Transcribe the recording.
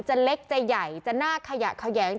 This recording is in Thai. จะเล็กจะใหญ่จะหน้าขยะแขยง